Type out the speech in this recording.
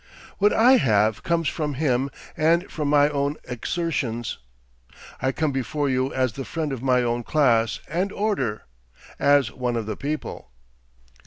What I have comes from him and from my own exertions. I come before you as the friend of my own class and order, as one of the people."